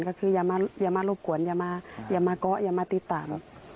ก็คืออย่ามารบกวนอย่ามาเกาะอย่ามาติดตาม